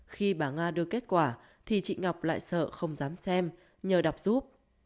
khi bà nga đưa kết quả thì chị ngọc lại sợ không dám xem nhờ đọc giúp